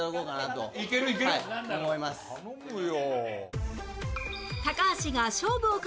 頼むよ！